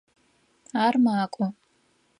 Ар макӏо.